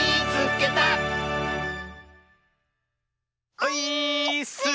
オイーッス！